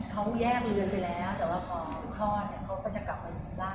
หรือเป็นอะไรที่คุณต้องการให้ดู